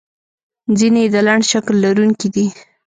ځینې یې د لنډ شکل لرونکي دي.